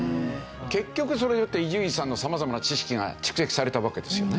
結局それによって伊集院さんの様々な知識が蓄積されたわけですよね。